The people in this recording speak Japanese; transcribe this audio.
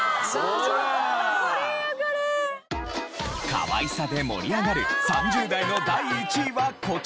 かわいさで盛り上がる３０代の第１位はこちら。